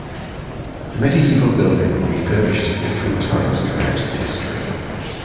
Medieval building, refurbished at different times throughout its history.